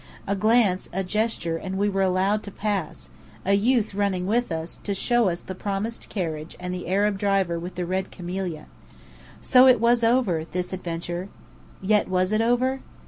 A glance, a gesture, and we were allowed to pass, a youth running with us, to show the promised carriage and the Arab driver with the red camellia. So it was over, this adventure! Yet was it over?